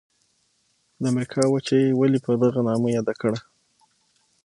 د امریکا وچه یې ولي په دغه نامه یاده کړه؟